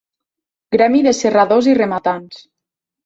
Gremi de serradors i rematants.